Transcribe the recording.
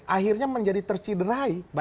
akhirnya menjadi terciderai